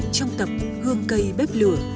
trong tập hương cây bếp lửa